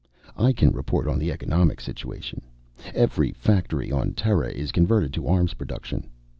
"I can report on the economic situation. Every factory on Terra is converted to arms production.